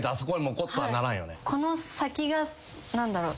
この先が何だろう。